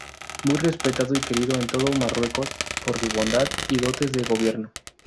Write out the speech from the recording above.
Muy respetado y querido en todo Marruecos por su bondad y dotes de gobierno.